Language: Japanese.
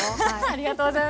ありがとうございます。